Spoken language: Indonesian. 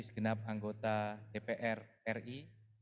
segenap anggota dpr ri